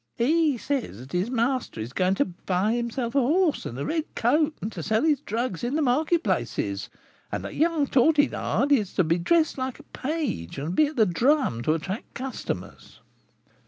He says that his master is going to buy himself a horse and a red coat, and to sell his drugs in the market places, and that young Tortillard is to be dressed like a page and be at the drum, to attract customers."